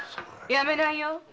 やめないよ！